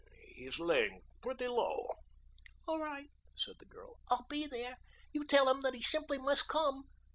He's layin' pretty low." "All right," said the girl, "I'll be there. You tell him that he simply must come."